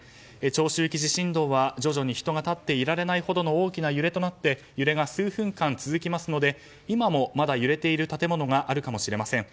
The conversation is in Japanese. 長周期地震動は徐々に人が立っていられないほどの大きな揺れとなって揺れが数分間続きますので今もまだ揺れている建物があるかもしれません。